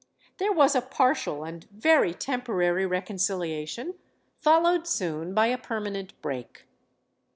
There was a partial and very temporary re conciliation, followed soon by a permanent break.